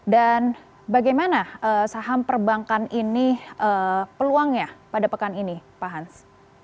dan bagaimana saham perbankan ini peluangnya pada pekan ini pak hans